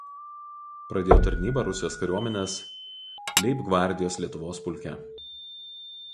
Pradėjo tarnybą Rusijos kariuomenės Leibgvardijos Lietuvos pulke.